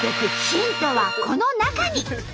ヒントはこの中に！